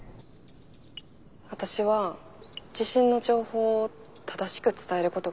私は地震の情報を正しく伝えることが一番やと思ってた。